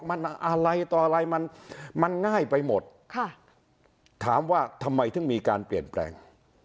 มันอะไรต่ออะไรมันมันง่ายไปหมดค่ะถามว่าทำไมถึงมีการเปลี่ยนแปลง